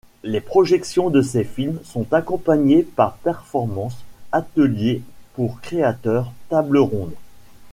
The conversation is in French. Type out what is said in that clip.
Les projections de ses films sont accompagnées par performances, ateliers pour créateurs, tables rondes.